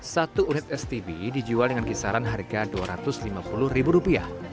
satu unit stb dijual dengan kisaran harga rp dua ratus lima puluh